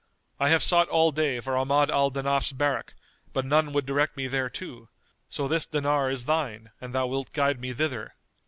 I have sought all day for Ahmad al Danaf's barrack, but none would direct me thereto; so this dinar is thine an thou wilt guide me thither."